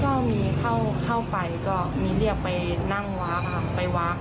ก็มีเข้าไปก็มีเรียกไปนั่งวาร์กไปวาร์ก